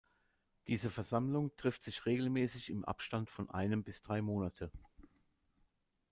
Diese Versammlung trifft sich regelmäßig im Abstand von einem bis drei Monate.